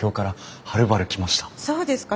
そうですか。